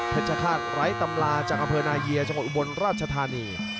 ฆาตไร้ตำราจากอำเภอนาเยียจังหวัดอุบลราชธานี